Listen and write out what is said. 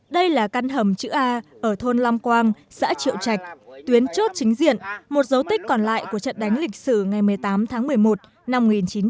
đây là căn hầm chữ a ở thôn lam quang xã triệu trạch tuyến chốt chính diện một dấu tích còn lại của trận đánh lịch sử ngày một mươi tám tháng một mươi một năm một nghìn chín trăm bảy mươi